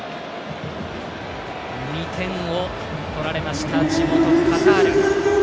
２点を取られました地元・カタール。